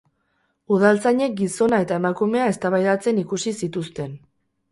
Udaltzainek gizona eta emakumea eztabaidatzen ikusi zituzten.